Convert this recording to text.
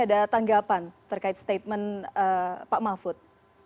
ada tanggapan terkait statement pak mahfud